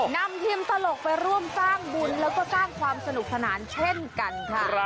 นำทีมตลกไปร่วมสร้างบุญแล้วก็สร้างความสนุกสนานเช่นกันค่ะ